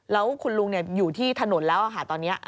แล้วคุณลุงอยู่ที่ถนนแล้วค่ะตอนนี้